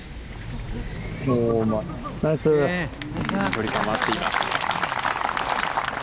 距離感も合っています。